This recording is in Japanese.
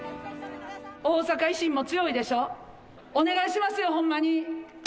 大阪維新も強いでしょ、お願いしますよ、ほんまに。